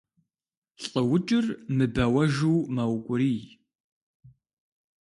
Лӏыукӏыр мыбэуэжу мэукӏурий.